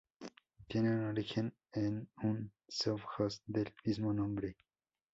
Tiene origen en un sovjós del mismo nombre.